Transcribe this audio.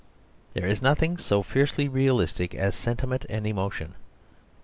There is nothing so fiercely realistic as sentiment and emotion.